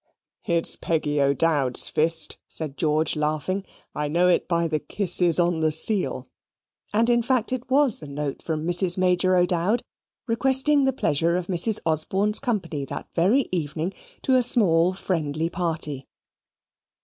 "It's Peggy O'Dowd's fist," said George, laughing. "I know it by the kisses on the seal." And in fact, it was a note from Mrs. Major O'Dowd, requesting the pleasure of Mrs. Osborne's company that very evening to a small friendly party.